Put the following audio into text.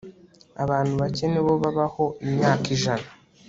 Abantu bake ni bo babaho imyaka ijana